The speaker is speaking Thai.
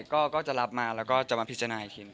ก็จะรับมาแล้วก็จะมาผิดชะนายทีนึง